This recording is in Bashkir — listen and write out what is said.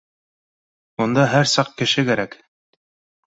Унда һәр саҡ кеше кәрәк